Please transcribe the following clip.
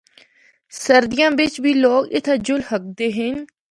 سردیاں بچ بھی لوگ اِتھا جُل ہکدے ہن۔